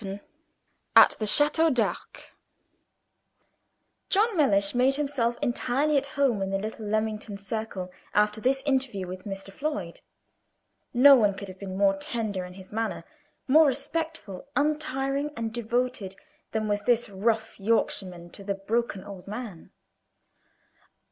AT THE CHATEAU D'ARQUES. John Mellish made himself entirely at home in the little Leamington circle after this interview with Mr. Floyd. No one could have been more tender in his manner, more respectful, untiring, and devoted, than was this rough Yorkshireman to the broken old man.